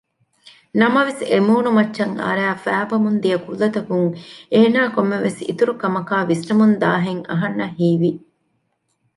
ނަމަވެސް އެމޫނުމައްޗަށް އަރައި ފައިބަމުން ދިޔަ ކުލަތަކުން އޭނާ ކޮންމެވެސް އިތުރު ކަމަކާ ވިސްނަމުންދާހެން އަހަންނަށް ހީވި